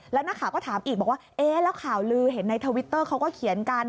แล้วนักข่าวก็ถามอีกบอกว่าเอ๊ะแล้วข่าวลือเห็นในทวิตเตอร์เขาก็เขียนกัน